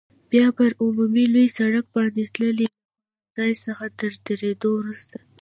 بیا پر عمومي لوی سړک باندې تللې، له خوړنځای څخه تر تېرېدو وروسته.